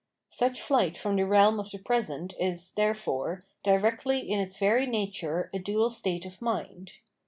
Such flight from the realm of the present is, therefore, directly in its very nature a dual state of mind.